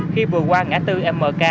khi vừa qua ngã tư mk